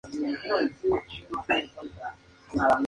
Habita en Egipto y en Israel.